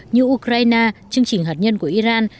như ukraine chương trình hạt nhân của iran